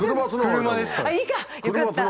あっいいか！よかった！